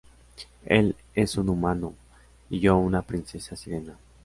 Él es un humano y yo una princesa sirena.